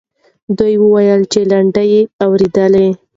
دوی وویل چې لنډۍ یې اورېدلې.